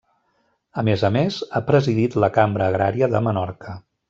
A més a més, ha presidit la Cambra Agrària de Menorca.